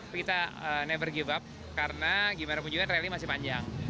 kita never gyp up karena gimana pun juga rally masih panjang